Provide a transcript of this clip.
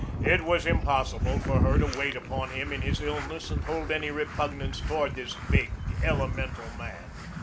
It was impossible for her to wait upon him in his illness and hold any repugnance toward this big, elemental man.